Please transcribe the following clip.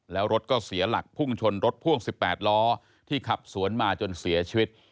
แล้วรถก็เสียหลักพุ่งชนรถพ่วง๑๘ล้อที่ขับสวนมาจนเสียชีวิต